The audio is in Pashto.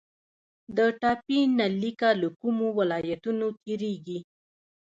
د ټاپي نل لیکه له کومو ولایتونو تیریږي؟